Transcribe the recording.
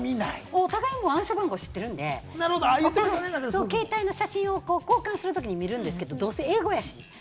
お互い暗証番号知ってるので、携帯の写真を交換するときに見るんですけど、どうせエゴやし。